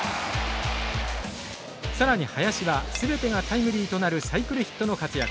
更に林は全てがタイムリーとなるサイクルヒットの活躍。